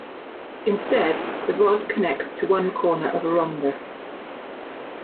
Instead, the rod connects to one corner of a rhombus.